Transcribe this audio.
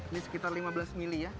ini sekitar lima belas mili ya